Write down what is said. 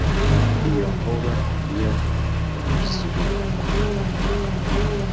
iyo nkuba yo mu z’i Ruguru